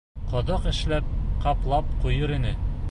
Ҡоҙоҡ эшләп, ҡаплап ҡуйыр ине.